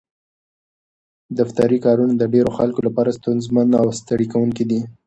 دفتري کارونه د ډېرو خلکو لپاره ستونزمن او ستړي کوونکي دي.